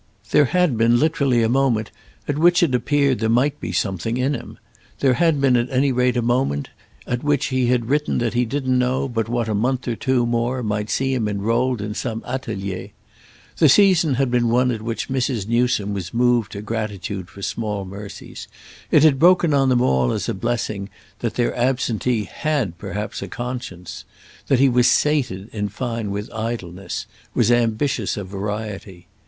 There had been literally a moment at which it appeared there might be something in him; there had been at any rate a moment at which he had written that he didn't know but what a month or two more might see him enrolled in some atelier. The season had been one at which Mrs. Newsome was moved to gratitude for small mercies; it had broken on them all as a blessing that their absentee had perhaps a conscience—that he was sated in fine with idleness, was ambitious of variety.